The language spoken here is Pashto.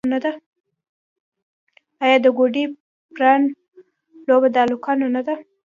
آیا د ګوډي پران لوبه د هلکانو نه ده؟